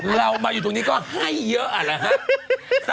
เรามาอยู่ตรงนี้ก็ให้เยอะอันแล้วฮะ